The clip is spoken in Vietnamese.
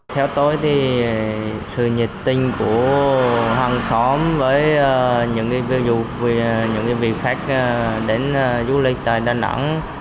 đối với sự nhiệt tình của hàng xóm với những người viên khách đến du lịch tại đà nẵng